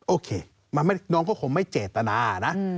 โอเคน้องก็คงไม่เจตนานะ